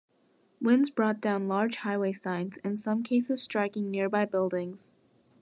Winds brought down large highway signs, in some cases striking nearby buildings.